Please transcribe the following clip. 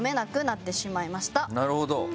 なるほど。